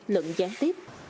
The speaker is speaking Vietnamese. lẫn gián tiếp